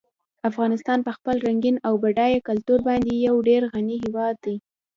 افغانستان په خپل رنګین او بډایه کلتور باندې یو ډېر غني هېواد دی.